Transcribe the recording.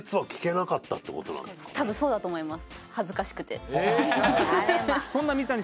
たぶんそうだと思います